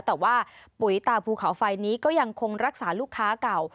แต่ว่าปุ๋ยตาภูเขาไฟนี้ก็ยังคงรักษาลูกค้าเก่า